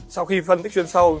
sau khi phân tích chuyên sâu